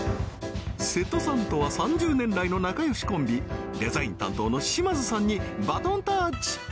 瀬戸さんとは３０年来の仲よしコンビデザイン担当の島津さんにバトンタッチ！